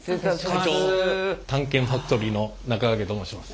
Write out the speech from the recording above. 「探検ファクトリー」の中川家と申します。